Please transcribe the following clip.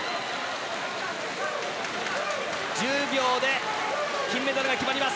１０秒で金メダルが決まります。